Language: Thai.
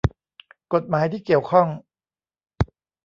กฎหมายที่เกี่ยวข้อง